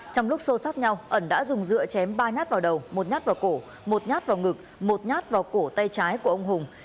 trong lúc xô sát nhau ẩn đã dùng dựa chém ba nhát vào đầu một nhát vào cổ một nhát vào ngực một nhát vào cổ tay trái của ông hùng